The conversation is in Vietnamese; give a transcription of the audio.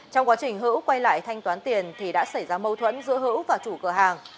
trong quá trình hữu quay lại thanh toán tiền thì đã xảy ra mâu thuẫn giữa hữu và chủ cửa hàng